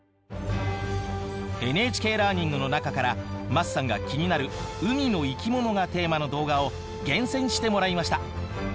ＮＨＫラーニングの中から桝さんが気になる海の生き物がテーマの動画を厳選してもらいました。